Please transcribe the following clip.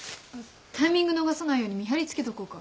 タイミング逃さないように見張りつけとこうか？